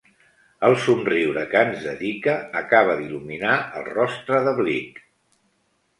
El somriure que ens dedica acaba d'il·luminar el rostre de Bligh.